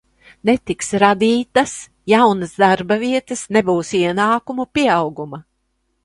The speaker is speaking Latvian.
Netiks radītas jaunas darba vietas, nebūs ienākumu pieauguma.